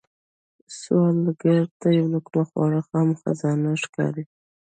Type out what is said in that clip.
سوالګر ته یو لقمه خواړه هم خزانې ښکاري